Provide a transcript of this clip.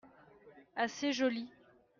Assez joli.